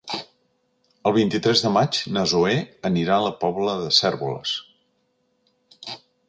El vint-i-tres de maig na Zoè anirà a la Pobla de Cérvoles.